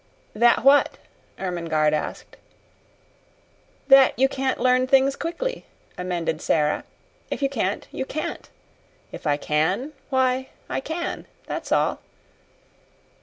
"That what?" Ermengarde asked. "That you can't learn things quickly," amended Sara. "If you can't, you can't. If I can why, I can; that's all."